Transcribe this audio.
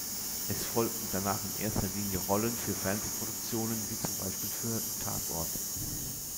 Es folgten danach in erster Linie Rollen für Fernsehproduktionen wie zum Beispiel für "Tatort".